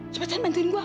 cepetan bantuin gue